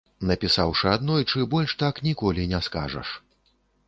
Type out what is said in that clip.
Напісаўшы аднойчы, больш так ніколі не скажаш.